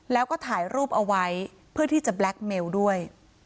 แล้วก็ถ่ายรูปเอาไว้เพื่อที่จะแล็คเมลด้วย